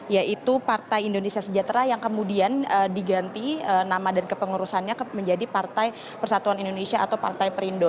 yaitu partai indonesia sejahtera yang kemudian diganti nama dan kepengurusannya menjadi partai persatuan indonesia atau partai perindo